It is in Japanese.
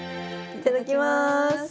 いただきます！